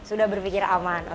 sudah berpikir aman